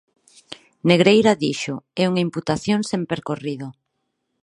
Negreira dixo: É unha imputación sen percorrido.